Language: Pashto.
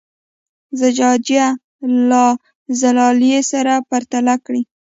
زجاجیه له زلالیې سره پرتله کړئ.